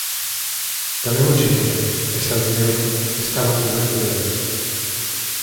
Tamén o chineiro, pesado e negro, estaba cuberto de revistas.